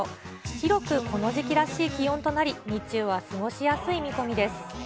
広くこの時期らしい気温となり、日中は過ごしやすい見込みです。